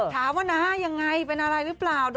ถามว่าน่ายังไรเป็นอะไรไม่เปล่า